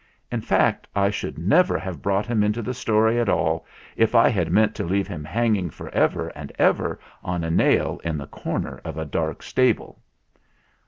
In fact, I should never have brought him into the story at all if I had meant to leave him hanging for ever and ever on a nail in the corner of a dark stable.